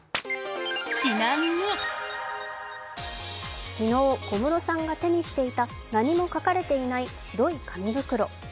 ちなみに、昨日小室さんが手にしていた何も書かれていない白い紙袋。